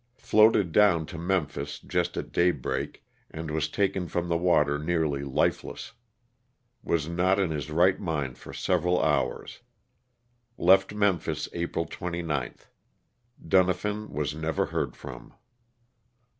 Floated down to Memphis, just at daybreak, and was taken from the water nearly lifeless. Was not in his right mind for several hours. Left Memphis April 29th. Dunafin was never heard from.